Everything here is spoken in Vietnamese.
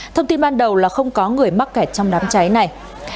thông tin ban đầu là không có người mắc kẹt trong đám cháy này